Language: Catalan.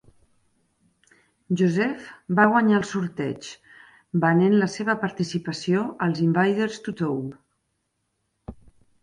Joseph va guanyar el sorteig, venent la seva participació als Invaders to Taube.